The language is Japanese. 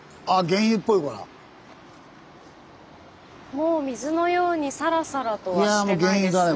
もう水のようにサラサラとはしてないですね。